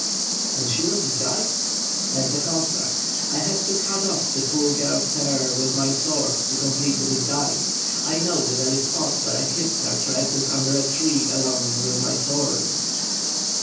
"And she was disguised?" "As a Cossack. I had to cut ofiE the poor girl's hair with my sword to complete the disguise. I know the very spot where I hid her tresses under a tree along with my sword."